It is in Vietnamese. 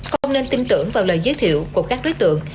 không nên tin tưởng vào lời giới thiệu của các đối tượng